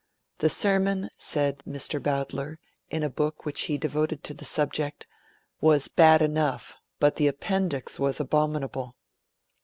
'The sermon,' said Mr Bowdler, in a book which he devoted to the subject, 'was bad enough, but the appendix was abominable.'